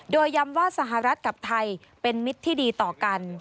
โดยย้ำว่าสหรัฐกับไทยเป็นมิตรที่ดีต่อกัน